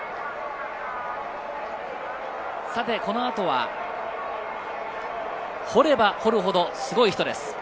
この後は『掘れば掘るほどスゴイ人』です。